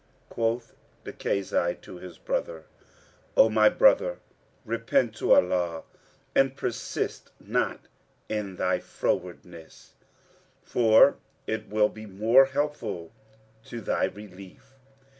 Quoth the Kazi to his brother, "O my brother, repent to Allah and persist not in thy frowardness, for it will be more helpful to thy relief."